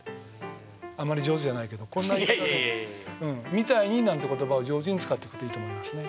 「みたいに」なんて言葉を上手に使ってくといいと思いますね。